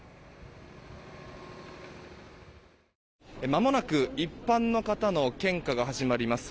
まもなく一般の方の献花が始まります。